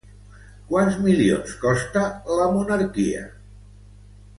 Quants milions costa la monarquia espanyola?